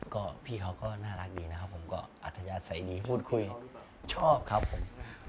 ก็พี่เขาก็น่ารักดีนะครับผมก็อัธยาศัยดีพูดคุยชอบครับผม